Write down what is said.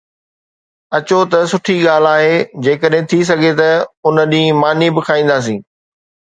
اچو ته سٺي ڳالهه آهي، جيڪڏهن ٿي سگهي ته ان ڏينهن ماني به کائينداسين